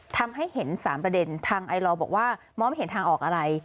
ทำให้เห็น๓ประเด็นทางไอลอบอกว่ามองไม่เห็นทางออกอะไร